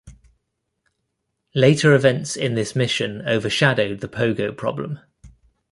Later events in this mission overshadowed the pogo problem.